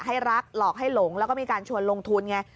ให้รักหลอกให้หลงแล้วก็มีการชวนลงทุนไง